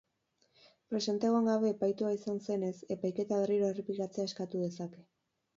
Presente egon gabe epaitua izan zenez, epaiketa berriro errepikatzea eskatu dezake.